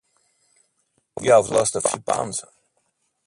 You've lost a few pounds.